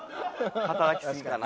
働きすぎかな。